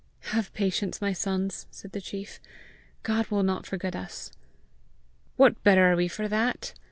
"Have patience, my sons," said the chief. "God will not forget us." "What better are we for that?